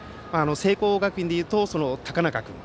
聖光学院でいうと高中君。